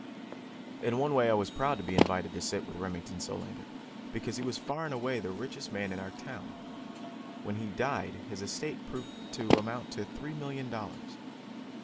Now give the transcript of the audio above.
In one way I was proud to be invited to sit with Remington Solander, because he was far and away the richest man in our town. When he died, his estate proved to amount to three million dollars.